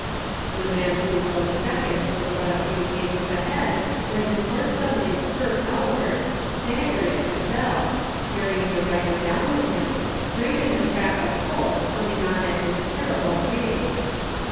The man who rode second was but a few paces ahead when his horse suddenly swerved out ward, staggered and fell, carrying the rider down with him straight in the track of Holt, coming on at his terrible pace.